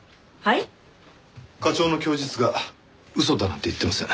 課長の供述が嘘だなんて言ってません。